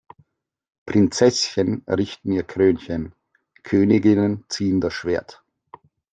Prinzesschen richten ihr Krönchen, Königinnen ziehen das Schwert!